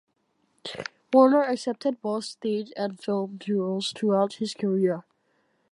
Werner accepted both stage and film roles throughout his career.